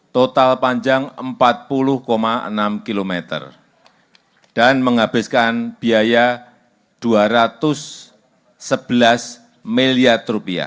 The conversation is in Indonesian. total panjang rp empat puluh enam km dan menghabiskan biaya rp dua ratus sebelas miliar